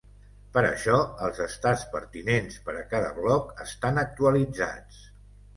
Per això, els "estats pertinents" per a cada bloc estan actualitzats.